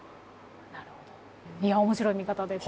なるほどいや面白い見方です。